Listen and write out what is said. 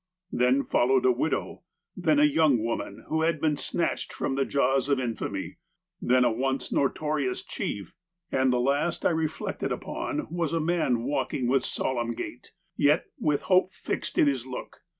Then followed a widow, then a young woman, who had been snatched from the jaws of infamy ; then a once notorious chief; and the last I reflected upon was a man walking with solemn gait, yet with hope fixed in his look.